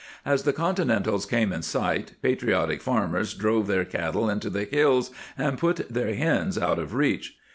As the Conti nentals came in sight, patriotic farmers drove their cattle into the hills and put their hens out of reach.